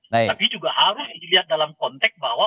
tapi juga harus dilihat dalam konteks bahwa